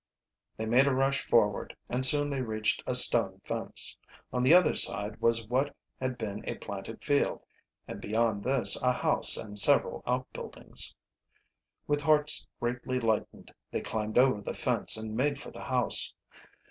They made a rush forward, and soon they reached a stone fence. On the other side was what had been a planted field, and beyond this a house and several outbuildings. With hearts greatly lightened they climbed over the fence and made for the house.